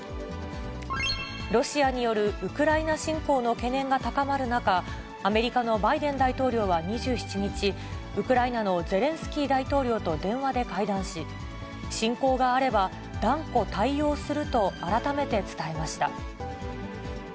ロシアによるウクライナ侵攻の懸念が高まる中、アメリカのバイデン大統領は２７日、ウクライナのゼレンスキー大統領と電話で会談し、侵攻があれば、断固対応すると改めて伝えました。